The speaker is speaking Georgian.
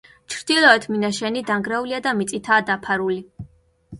ჩრდილოეთ მინაშენი დანგრეულია და მიწითაა დაფარული.